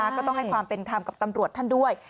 ก็ต้องให้ความเป็นธรรมกับตำรวจท่านด้วย